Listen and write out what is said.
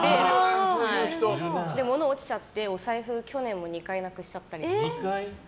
もの落ちちゃって、お財布去年も２回なくしたりとか。